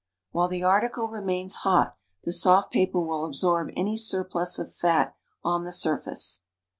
While the article remains hot the soft paper will absorb any surplus of fat on the surface.